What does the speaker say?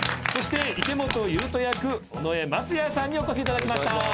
そして池本優人役尾上松也さんにお越しいただきました。